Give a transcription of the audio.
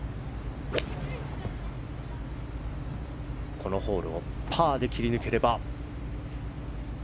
このホールをパーで切り抜ければ。